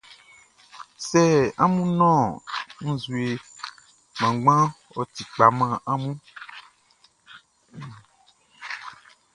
Sɛ amun nɔn nzue kpanngbanʼn, ɔ ti kpa man amun.